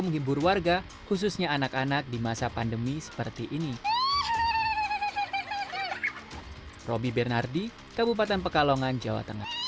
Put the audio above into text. menghibur warga khususnya anak anak di masa pandemi seperti ini roby bernardi kabupaten pekalongan jawa tengah